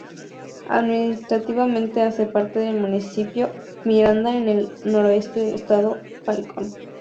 Administrativamente hace parte del Municipio Miranda en el noroeste del Estado Falcón.